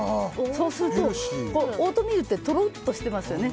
そうすると、オートミールってとろっとしてますよね。